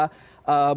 mungkin saja berhenti